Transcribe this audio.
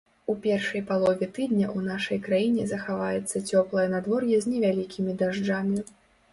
У першай палове тыдня ў нашай краіне захаваецца цёплае надвор'е з невялікімі дажджамі.